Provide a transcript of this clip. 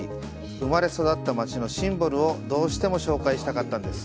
生まれ育った町のシンボルをどうしても紹介したかったんです。